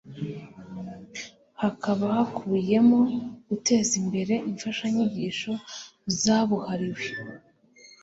Hakaba hakubiyemo guteza imbere imfashanyigisho zabuhariwe